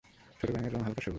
ছোট ব্যাঙের রং হালকা সবুজ।